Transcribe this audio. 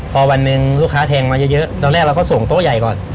พอวันหนึ่งลูกค้าแทงมาเยอะตอนแรกเราก็ส่งโต๊ะใหญ่ก่อน